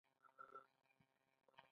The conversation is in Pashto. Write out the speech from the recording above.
کلدار ولسوالۍ چیرته ده؟